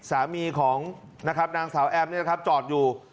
สามีของนางสาวแอมนี่นะครับจอดอยู่